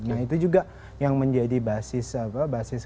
nah itu juga yang menjadi basis